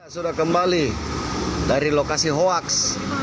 sudah kembali dari lokasi hoaks